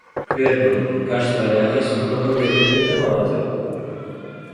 کوێر بم، پاش سمایلاغای سمکۆ من گەدرم نەماوەتەوە!